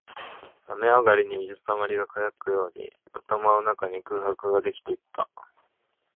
雨上がりに水溜りが乾くように、頭の中に空白ができていった